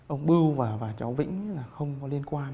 ông bưu và cháu vĩnh là không có liên quan